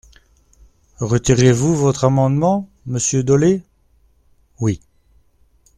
Retirez-vous votre amendement, monsieur Dolez ? Oui.